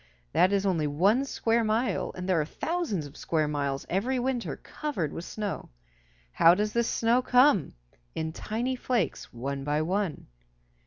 That is only one square mile, and there are thousands of square miles every winter covered with snow. How does this snow come? In tiny flakes, one by one.